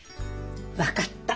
分かった。